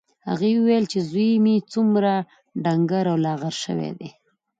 هغې وویل چې زوی مې څومره ډنګر او لاغر شوی دی